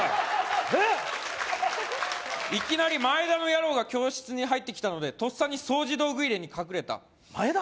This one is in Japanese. えっいきなりマエダの野郎が教室に入ってきたのでとっさに掃除道具入れに隠れたマエダ？